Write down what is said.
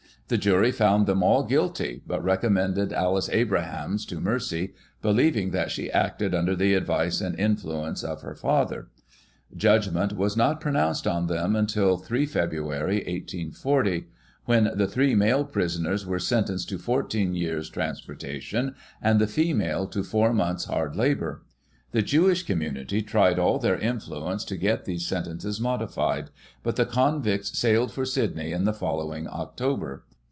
The jury found them all guilty, but recommended Alice Abrahams to mercy, believing that she acted under the advice and influence of her father. Judgment was not pro nounced on them until 3 Feb., 1840, when the three male prisoners were sentenced to fourteen years' transportation, and the female to four months' hard labour. The Jewish community tried all their influence to get these sentences modified, but the convicts sailed for Sydney in the following October.